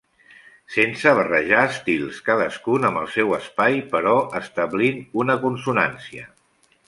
Sense barrejar estils, cadascun amb el seu espai però establint una consonància.